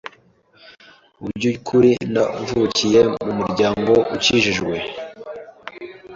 Mu byukuri navukiye mu muryango ukijijwe,